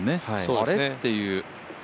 あれ？っていう。